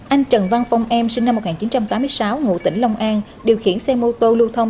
anh trần văn phong em sinh năm một nghìn chín trăm tám mươi sáu ngụ tỉnh long an điều khiển xe mô tô lưu thông